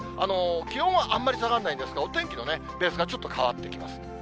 気温はあんまり下がんないんですが、お天気のペースがちょっと変わってきます。